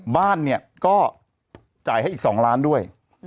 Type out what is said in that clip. บ้านเนี่ยก็จ่ายให้อีก๒ล้านด้วย